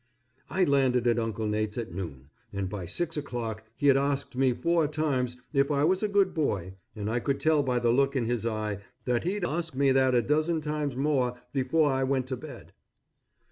I landed at Uncle Nate's at noon, and by six o'clock he had asked me four times if I was a good boy, and I could tell by the look in his eye that he'd ask me that a dozen times more before I went to bed.